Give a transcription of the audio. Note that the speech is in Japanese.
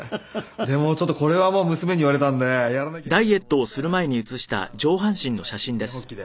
でもうちょっとこれは娘に言われたのでやらなきゃいけないと思って一念発起で。